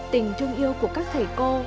tình thương yêu của các thầy cô